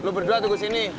lo berdua tunggu sini